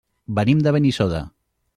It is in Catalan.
Venim de Benissoda.